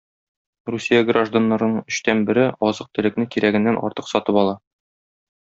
Русия гражданнарының өчтән бере азык-төлекне кирәгеннән артык сатып ала.